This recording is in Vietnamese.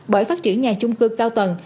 bởi phát triển nhà chung cư cao tầng